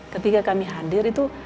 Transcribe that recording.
ketika kami hadir itu